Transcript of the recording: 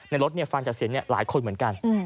ในรถเนี่ยฟังจากเสียงเนี่ยหลายคนเหมือนกัน